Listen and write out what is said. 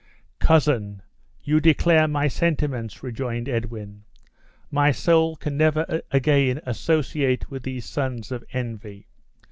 "Cousin, you declare my sentiments," rejoined Edwin; "my soul can never again associate with these sons of Envy.